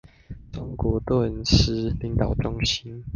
中國頓失領導中心